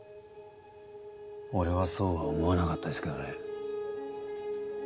俺はそうは思わなかったですけどね。